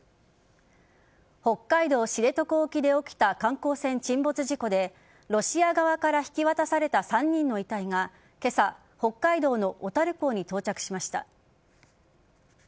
北海道知床沖で起きた観光船沈没事故でロシア側から引き渡された３人の遺体が今朝北海道の小樽港に到着しました。